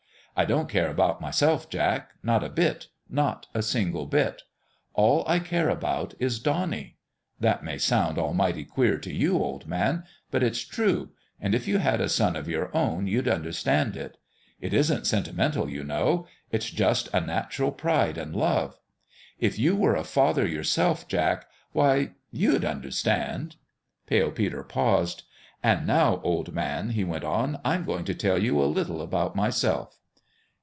I don't care about myself, Jack. Not a bit not a single bit ! All I care about is Donnie. That may sound almighty queer to you, old man ; but it's true, and if you had a son of your own, you'd understand it. It isn't sentimental, you know : it's just a natural pride and love. If you were a father yourself, Jack why you'd understand." Pale Peter paused. " And now, old man," he went on, "I'm going to tell you a little about myself."